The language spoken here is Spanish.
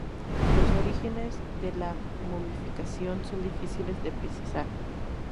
Los orígenes de la momificación son difíciles de precisar.